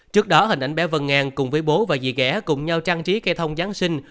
trước đó hình ảnh bé vân an cùng với bố và dì ghẻ cùng nhau trang trí cây thông giáng sinh